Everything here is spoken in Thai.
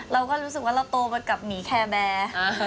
เราก็รู้สึกว่าเราโตไปกับหมีแคร์แบร์